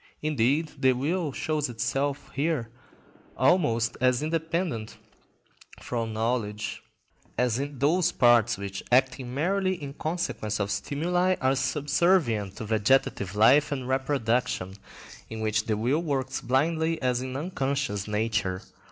Indeed, the will shows itself here almost as independent of knowledge, as in those parts which, acting merely in consequence of stimuli, are subservient to vegetative life and reproduction, in which the will works blindly as in unconscious nature.